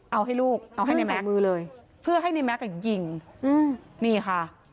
เอาให้ลูกเอาให้ในแม็กซ์เพื่อให้ในแม็กซ์กับยิงอืมนี่ค่ะ